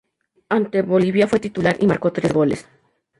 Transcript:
Ante Bolivia fue titular y marcó tres goles.